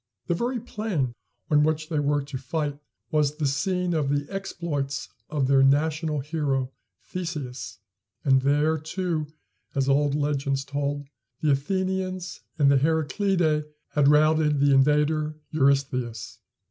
The very plain on which they were to fight was the scene of the exploits of their national hero, Theseus; and there, too, as old legends told, the Athenians and the Heraclidæ had routed the invader, Eurystheus.